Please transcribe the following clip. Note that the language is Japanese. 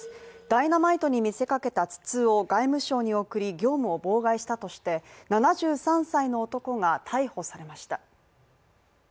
ダイナマイトに見せかけた筒を外務省に送り業務を妨害したとして、７３歳の男が逮捕されました。